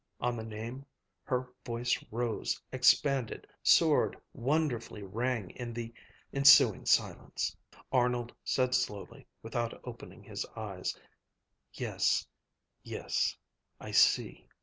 On the name, her voice rose, expanded, soared, wonderfully rang in the ensuing silence.... Arnold said slowly, without opening his eyes: "Yes, yes, I see.